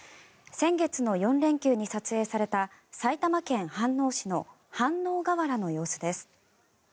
先月の４連休に撮影された埼玉県飯能市の飯能河原の様子です。